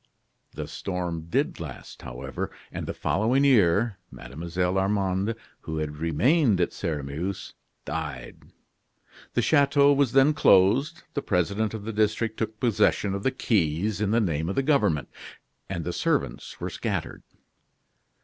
The storm did last, however; and the following year Mlle. Armande, who had remained at Sairmeuse, died. The chateau was then closed, the president of the district took possession of the keys in the name of the government, and the servants were scattered.